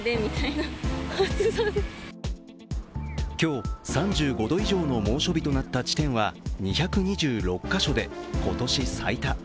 今日、３５度以上の猛暑日となった地点は２２６か所で、今年最多。